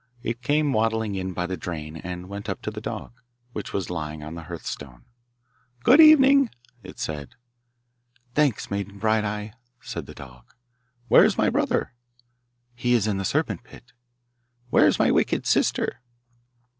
It came waddling in by the drain, and went up to the dog, which was lying on the hearth stone. 'Good evening,' it said. 'Thanks, Maiden Bright eye,' said the dog. 'Where is my brother?' 'He is in the serpent pit.' 'Where is my wicked sister?